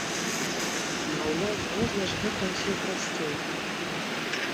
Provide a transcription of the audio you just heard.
Маўляў, можна ж гэта ўсё прасцей!